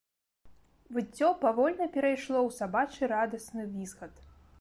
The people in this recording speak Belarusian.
Выццё павольна перайшло ў сабачы радасны візгат.